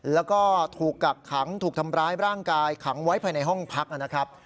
แล้วก็ถูกกักขังถูกทำร้ายร่างกายขังไว้ภายในห้องพักนะครับ